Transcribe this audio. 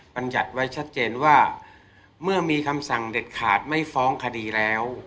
บรรยัติไว้ชัดเจนว่าเมื่อมีคำสั่งเด็ดขาดไม่ฟ้องคดีแล้ว